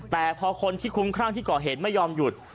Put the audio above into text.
แต่พอคนที่คุ้มครั่งที่ก่อเหตุไม่ยอมหยุด